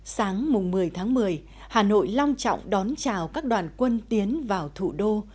sáng một mươi tháng một mươi hà nội long trọng đón chào các đoàn quân tiến vào thủ đô